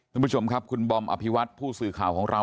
คุณผู้ชมครับคุณบอมอภิวัตผู้สื่อข่าวของเรา